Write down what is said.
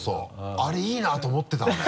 あれいいなと思ってたんだよ。